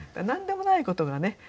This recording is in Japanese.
何でもないことがね